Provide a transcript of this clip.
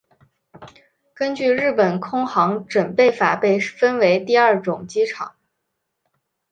根据日本空港整备法被分成第二种机场。